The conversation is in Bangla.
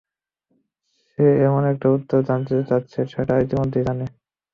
সে এমন একটা উত্তর জানতে চাচ্ছে যেটা সে ইতোমধ্যেই জানে।